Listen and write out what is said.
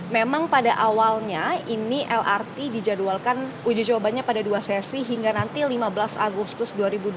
memang pada awalnya ini lrt dijadwalkan uji cobanya pada dua sesi hingga nanti lima belas agustus dua ribu dua puluh tiga